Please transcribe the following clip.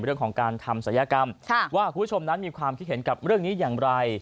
เรื่องของการทำศัลยกรรมว่าคุณผู้ชมนั้นมีความคิดเห็นกับเรื่องนี้อย่างไร